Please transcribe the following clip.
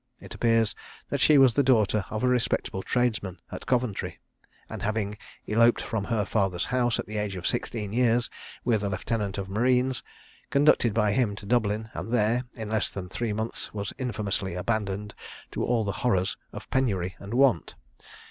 It appears that she was the daughter of a respectable tradesman at Coventry; and having eloped from her father's house, at the age of sixteen years, with a lieutenant of marines, conducted by him to Dublin, and there, in less than three months, was infamously abandoned to all the horrors of penury and want.